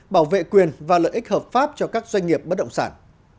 bảo vệ quyền và lợi ích hợp pháp cho các doanh nghiệp bất động sản